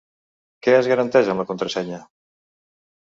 Què es garanteix amb la contrasenya?